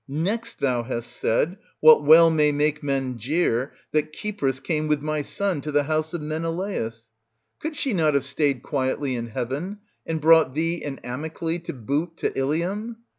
Next thou hast said, — what well may make men jeer, — that Cypris came with my son to the house of Menelaus. Could she not have stayed quietly in heaven and brought thee and Amyclse to boot to Ilium?